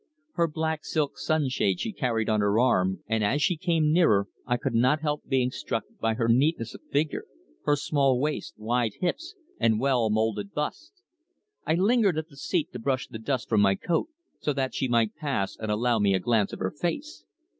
Her black silk sunshade she carried on her arm, and as she came nearer I could not help being struck by her neatness of figure, her small waist, wide hips and well moulded bust. I lingered at the seat to brush the dust from my coat, so that she might pass and allow me a glance of her face.